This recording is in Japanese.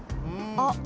あっ。